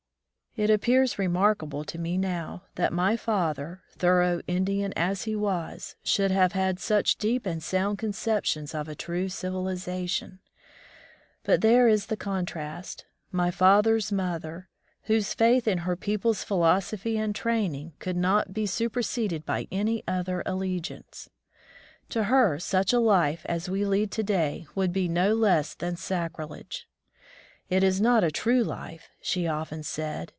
It appears remarkable to me now that my father, thorough Indian as he was, should have had such deep and sound con ceptions of a true civilization. But there is the contrast — my father's mother ! whose faith in her people's philosophy and training 27 From the Deep Woods to Civilization could not be superseded by any other alle giance, z To her such a life as we lead to day would be no less than sacrilege. ^'It is not a true life/' she often said.